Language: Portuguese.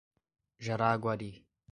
Jaraguari